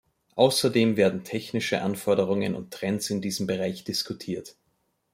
Außerdem werden technische Anforderungen und Trends in diesem Bereich diskutiert.